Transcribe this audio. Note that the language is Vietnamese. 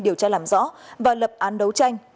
điều tra làm rõ và lập án đấu tranh